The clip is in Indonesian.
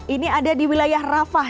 ini ada di wilayah rafah